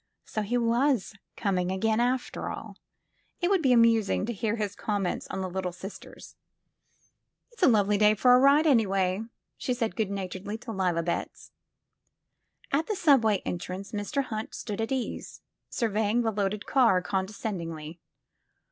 So he was coming again, after all ! It would be amusing to hear his com ments on the Little Sisters. '*It's a lovely day for a ride, anyway," she said good naturedly to Leila Betts. At the subway entrance Mr. Hunt stood at ease, sur veying the loaded car condescendingly.